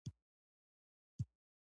ما وپوښتل: ورموت څښې؟